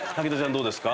どうですか？